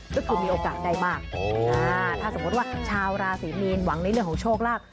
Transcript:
ก็คือมีโอกาสได้มากถ้าสมมุติว่าชาวราศรีมีนหวังในเรื่องของโชคลาภ